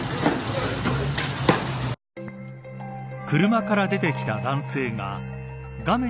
車から出てきた男性が画面